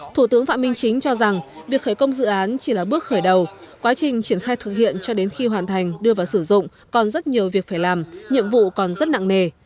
thủ tướng phạm minh chính cho rằng việc khởi công dự án chỉ là bước khởi đầu quá trình triển khai thực hiện cho đến khi hoàn thành đưa vào sử dụng còn rất nhiều việc phải làm nhiệm vụ còn rất nặng nề